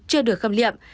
chưa được khâm liệm